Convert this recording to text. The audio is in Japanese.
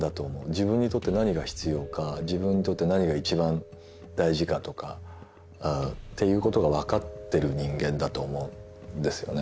自分にとって何が必要か自分にとって何が一番大事かとかっていうことが分かってる人間だと思うんですよね。